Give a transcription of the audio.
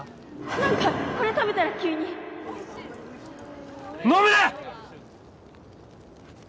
何かこれ食べたら急に飲むな！